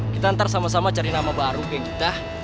kita ntar sama sama cari nama baru geng kita